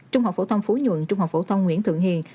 trung học phổ thông phú nhuận trung học phổ thông nguyễn thượng hiền